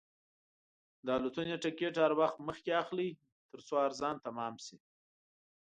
د الوتنې ټکټ هر وخت مخکې اخلئ، ترڅو ارزان تمام شي.